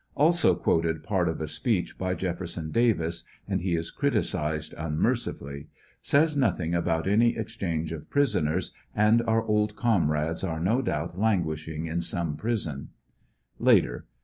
Also quoted part of a speech by Jefferson Davis, and he is criticised unmercifully. Says nothing about any exchange of prisoners, and our old comrades are no doubt languish ing in some prison. Later.